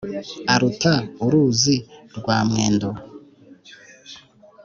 Aruta uruzi rwa Mwendo.